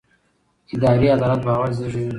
اداري عدالت باور زېږوي